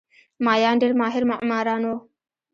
مایان ډېر ماهر معماران وو.